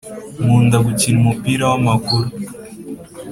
Nkunda gukina umupira wamaguru